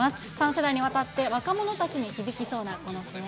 ３世代にわたって、若者たちに響きそうなこのＣＭ。